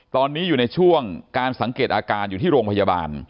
ตอนนี้อยู่ในช่วงการสังเกตอาการอยู่ที่โรงพยาบาล